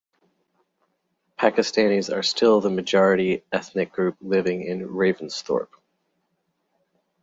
Pakistanis are still the majority ethnic group living in Ravensthorpe.